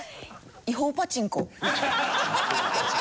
違法パチンコ。